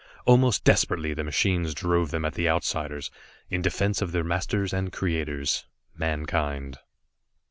Almost desperately the machines drove them at the Outsiders in defense of their masters and creators, Mankind.